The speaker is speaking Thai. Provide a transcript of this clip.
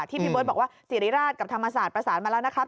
พี่เบิร์ตบอกว่าสิริราชกับธรรมศาสตร์ประสานมาแล้วนะครับ